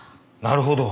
なるほど。